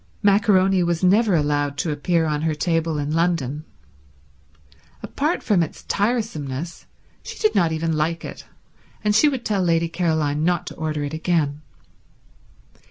Maccaroni was never allowed to appear on her table in London. Apart from its tiresomeness she did not even like it, and she would tell Lady Caroline not to order it again.